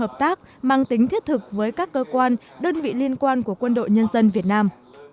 hợp tác mang tính thiết thực với các cơ quan đơn vị liên quan của quân đội nhân dân việt nam